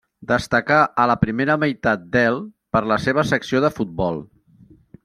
Destacà a la primera meitat del per la seva secció de futbol.